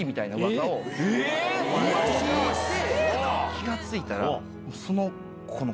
気が付いたら。